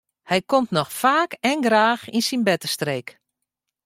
Hy komt noch faak en graach yn syn bertestreek.